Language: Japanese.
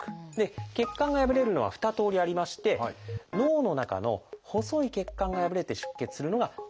血管が破れるのは２通りありまして脳の中の細い血管が破れて出血するのが「脳出血」。